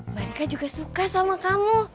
mbak rika juga suka sama kamu